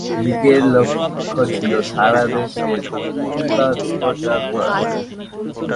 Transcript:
লীগের লক্ষ্য ছিল সারা দেশে টোরিবাদ প্রচার করা।